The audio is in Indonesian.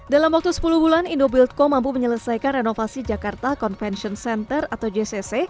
dalam waktu sepuluh bulan indobuildco mampu menyelesaikan renovasi jakarta convention center atau jcc